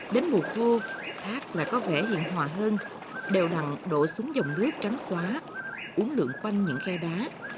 đến mùa khô thác lại có vẻ hiền hòa hơn đều đặn đổ xuống dòng nước trắng xóa uống lượng quanh những khe đá